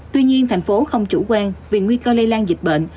tuy nhiên tp hcm không chủ quan vì nguy cơ lây lan dịch bệnh